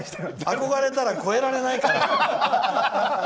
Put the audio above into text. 憧れたら超えられないから。